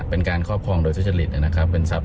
เป็นการครอบครองโดยทุจริตนะครับเป็นทรัพย